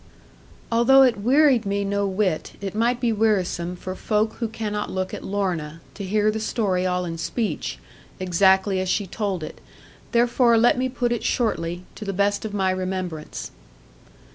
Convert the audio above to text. Although it wearied me no whit, it might be wearisome for folk who cannot look at Lorna, to hear the story all in speech, exactly as she told it; therefore let me put it shortly, to the best of my remembrance.